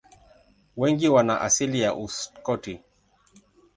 Wengi wana asili ya Uskoti.